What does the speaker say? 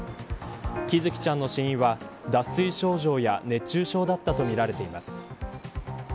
喜寿生ちゃんの死因は脱水症状や熱中症だったとみられています。